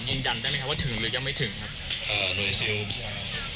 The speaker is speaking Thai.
ยืนยันได้ไหมครับว่าถึงหรือยังไม่ถึงครับเอ่อหน่วยซิล